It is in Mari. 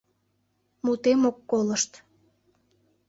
Мутем ок колышт.